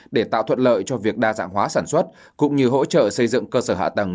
để tạo thuận lợi cho việc đa dạng hóa sản xuất cũng như hỗ trợ xây dựng cơ sở hạ tầng